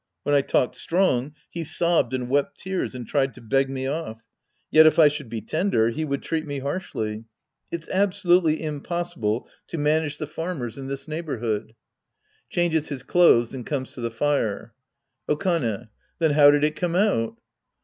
When I talked strong, he sob bed and wept tears and tried to beg me off. Yet if I should be tender, he would treat me harshly. It's absolutely impossible to manage the farmers in tliis Sc. I The Priest and His Disciples 17 neighborhood. (^Changes his clothes and comes to the fire ^ Okane. Then how did it come out